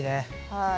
はい。